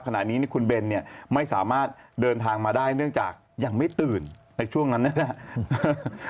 ขณะนี้คุณเบนเนี่ยไม่สามารถเดินทางมาได้เนื่องจากยังไม่ตื่นในช่วงนั้นนะครับ